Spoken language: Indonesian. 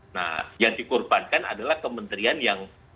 nah yang dikorbankan adalah kementerian yang